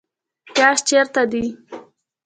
پیاز چیرته دي؟